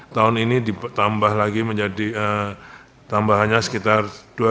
tahun ini ditambah lagi menjadi tambahannya sekitar dua delapan ratus tiga puluh tiga